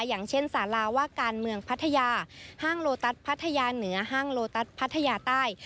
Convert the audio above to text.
อย่างเช่นสาราว่าการเมืองพัทยาห้างโลตัสพัทยาเหนือห้างโลตัสพัทยาใต้